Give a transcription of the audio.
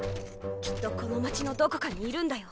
きっとこの町のどこかにいるんだよ。